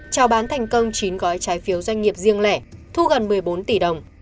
trao bán thành công chín gói trái phiếu doanh nghiệp riêng lẻ thu gần một mươi bốn tỷ đồng